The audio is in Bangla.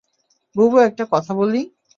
বুবু, একটা কথা বলি?